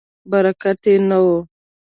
برکت یې نه و.